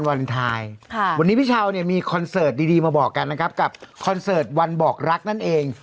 วาเลนไทยวันนี้พี่เช้าเนี่ยมีคอนเสิร์ตดีมาบอกกันนะครับกับคอนเสิร์ตวันบอกรักนั่นเอง